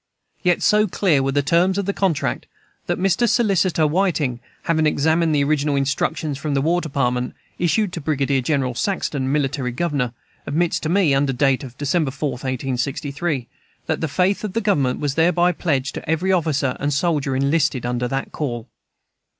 Yet so clear were the terms of the contract that Mr. Solicitor Whiting, having examined the original instructions from the War Department issued to Brigadier General Saxton, Military Governor, admits to me (under date of December 4, 1863,) that "the faith of the Government was thereby pledged to every officer and soldier enlisted under that call."